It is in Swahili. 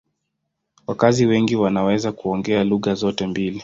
Wakazi wengi wanaweza kuongea lugha zote mbili.